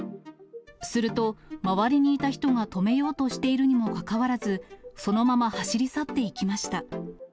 すると、周りにいた人が止めようとしているにもかかわらず、そのまま走り去っていきました。